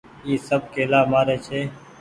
اي سب ڪيلآ مآري ڇي۔